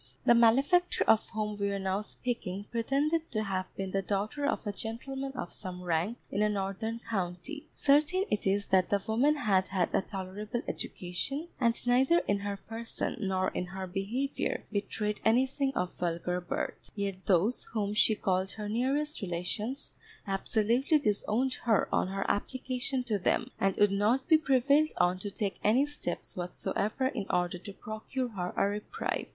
The malefactor of whom we are now speaking pretended to have been the daughter of a gentleman of some rank in a northern county. Certain it is that the woman had had a tolerable education, and neither in her person, nor in her behaviour betrayed anything of vulgar birth. Yet those whom she called her nearest relations absolutely disowned her on her application to them, and would not be prevailed on to take any steps whatsoever in order to procure her a reprieve.